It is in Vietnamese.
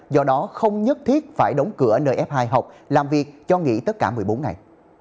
do đó không nhất thiết phải đóng cửa nơi f hai học làm việc cho nghỉ tất cả một mươi bốn ngày